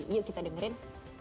yuk kita dengerin